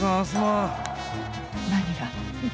何が？